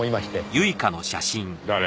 誰？